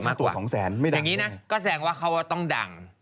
อย่างงี้นะก็แสงว่าเขาต้องดัง